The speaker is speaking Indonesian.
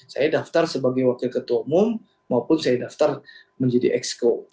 saya daftar sebagai wakil ketua umum maupun saya daftar menjadi exco